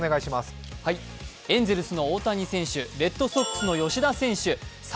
エンゼルスの大谷選手、レッドソックスの吉田選手侍